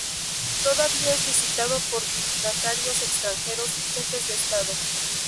Todavía es visitado por dignatarios extranjeros y jefes de estado.